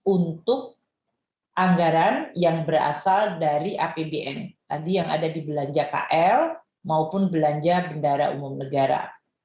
untuk anggaran yang berasal dari apbn tadi yang ada di belanja kl maupun belanja bendara umum negara